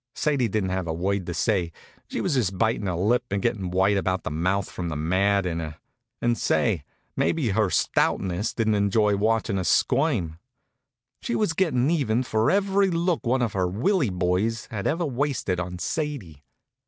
Sadie didn't have a word to say. She was just bitin' her lip, and gettin' white about the mouth from the mad in her. And say, maybe Her Stoutness didn't enjoy watchin' us squirm. She was gettin' even for every look one of her Willie boys had ever wasted on Sadie.